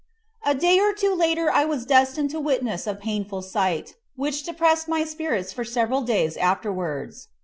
A day or two later I was destined to witness a painful sight, which depressed my spirits for several days afterwards.